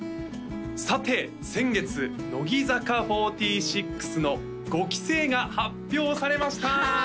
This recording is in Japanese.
さて先月乃木坂４６の５期生が発表されました！